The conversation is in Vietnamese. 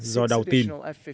do đau tim